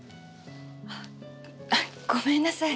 あっごめんなさい。